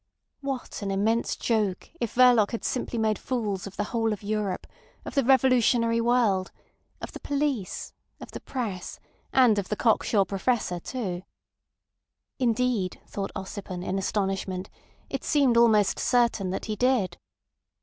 What an immense joke if Verloc had simply made fools of the whole of Europe, of the revolutionary world, of the police, of the press, and of the cocksure Professor as well. Indeed, thought Ossipon, in astonishment, it seemed almost certain that he did!